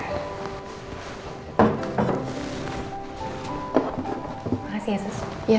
makasih ya seseorang